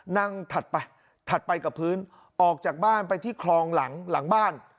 นั่งถัดไปกับพื้นออกจากบ้านไปที่ครองหลังบ้าน